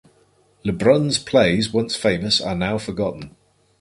Lebrun's plays, once famous, are now forgotten.